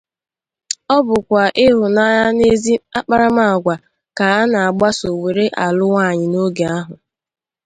Ọ bụkwa ịhụnanya na ezi akparamagwa ka a na-agbaso were alụ nwaanyị n'oge ahụ